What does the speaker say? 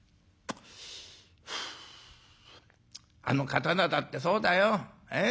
「あの刀だってそうだよ。ええ？